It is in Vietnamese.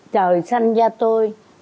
trời sanh ra tôi